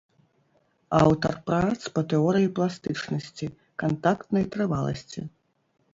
Аўтар прац па тэорыі пластычнасці, кантактнай трываласці.